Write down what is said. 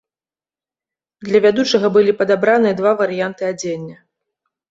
Для вядучага былі падабраныя два варыянты адзення.